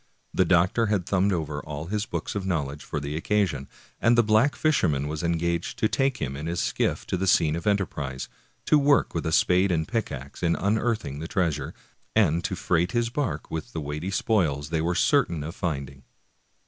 The doctor had thumbed over all his books of knowledge for the occasion, and the black fisher man was engaged to take them in his skiff to the scene of enterprise, to work with spade and pickax in unearthing the treasure, and to freight his bark with the weighty spoils they were certain of finding.